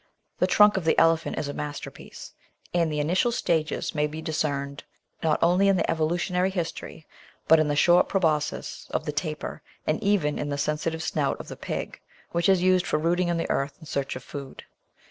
The trunk of the Elephant is a masterpiece, and the initial stages may be discerned, not only in the evolutionary history, but in the short proboscis of the Tapir, and even in the sensitive snout of the Pig, which is used for routing in the earth in search of food.